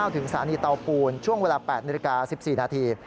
ถึงสารณีเตาปูนช่วงเวลา๘นิดนาที๑๔นาที